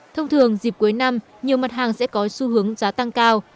thông thường dịp cuối năm nhiều mặt hàng sẽ có xu hướng giá tăng cao